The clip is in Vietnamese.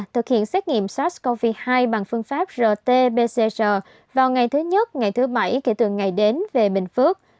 thực hiện xét nghiệm sars cov hai bằng phương pháp rt pcr vào ngày thứ nhất ngày thứ bảy kể từ ngày đến về bình phước